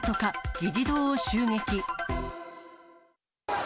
議事堂を襲撃。